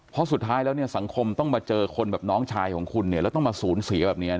เพราะสุดท้ายแล้วเนี่ยสังคมต้องมาเจอคนแบบน้องชายของคุณเนี่ยแล้วต้องมาสูญเสียแบบนี้